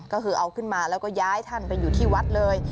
ก็คือเอาขึ้นมาแล้วก็ย้ายท่านไปอยู่ที่วัดเลย